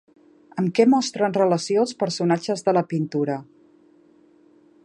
Amb què mostren relació els personatges de la pintura?